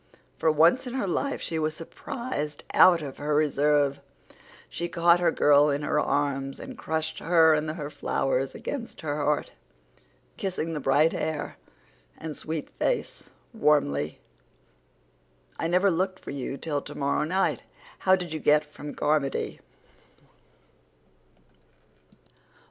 For once in her life she was surprised out of her reserve; she caught her girl in her arms and crushed her and her flowers against her heart, kissing the bright hair and sweet face warmly. "I never looked for you till tomorrow night. How did you get from Carmody?"